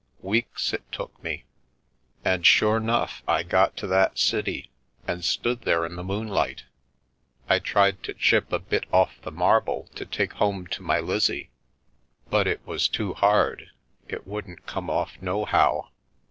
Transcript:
Weeks it took me. And sure 'nough I got to that city and stood there in the moonlight. I tried to chip a bit off the marble to take home to my Lizzie, but it was too hard — it wouldn't come off nohow."